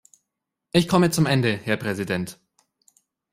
Ich komme zum Ende, Herr Präsident.